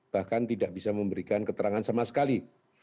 bahkan tidak bisa memberikan keterangan sama sekali